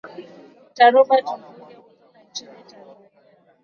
dokta robert mvungi kutoka nchini tanzania